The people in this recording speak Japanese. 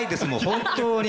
本当に。